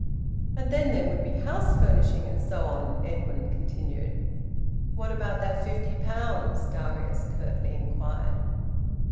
"And then there would be house furnishing, and so on," Edwin continued. "What about that fifty pounds?" Darius curtly inquired.